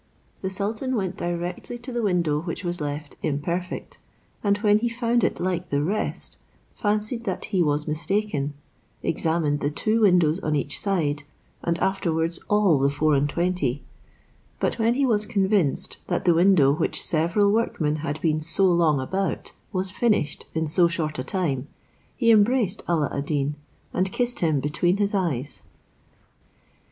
The sultan went directly to the window which was left imperfect, and when he found it like the rest, fancied that he was mistaken, examined the two windows on each side, and afterwards all the four and twenty; but when he was convinced that the window which several workmen had been so long about was finished in so short a time, he embraced Alla ad Deen, and kissed him between his eyes.